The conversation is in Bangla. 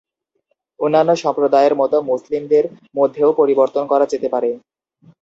অন্যান্য সম্প্রদায়ের মতো মুসলিমদের মধ্যেও পরিবর্তন করা যেতে পারে।